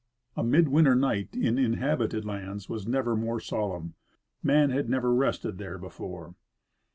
A HiidAvinter night in inhabited lands was never more solemn. Man had ncA^er rested there before.